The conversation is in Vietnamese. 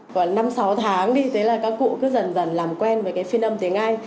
còn năm sáu tháng thì thấy là các cụ cứ dần dần làm quen với cái phiên âm tiếng anh